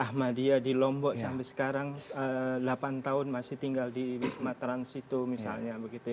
atau saudara saudara kita di lombok sampai sekarang delapan tahun masih tinggal di wisma transito misalnya